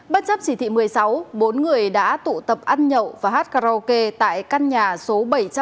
bất chấp chỉ thị một mươi sáu bốn người đã tụ tập ăn nhậu và hát karaoke tại căn nhà số bảy trăm sáu mươi bảy